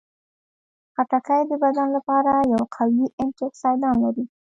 خټکی د بدن لپاره یو قوي انټياکسیدان لري.